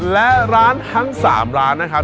และร้านทั้ง๓ร้านนะครับ